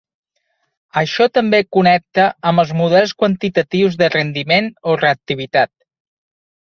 Això també connecta amb els models quantitatius de rendiment o reactivitat.